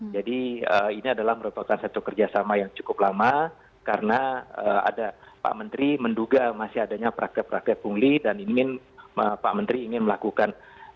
jadi ini adalah merupakan satu kerjasama yang cukup lama karena ada pak menteri menduga masih adanya prakir prakir pungli dan pak menteri ingin melakukan